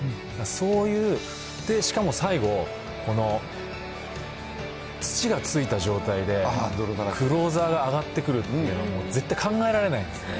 そういう、しかも最後、この土がついた状態で、クローザーが上がってくるっていうのは絶対考えられないんですね。